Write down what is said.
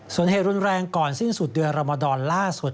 ส่วนเหตุรุนแรงก่อนสิ้นสุดเดือนรมดรล่าสุด